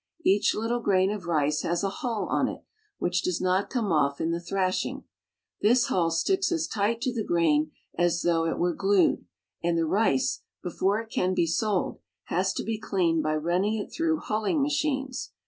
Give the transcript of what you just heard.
Each little grain of rice has a hull on it, which does not come off in the thrashing. This hull sticks as tight to the grain as though it were glued, and the rice, before it can be sold, has to be cleaned by running it through huUing machines.